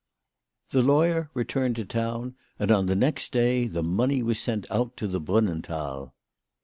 THE lawyer returned to town, and on the next day the money was sent out to the Brunnenthal.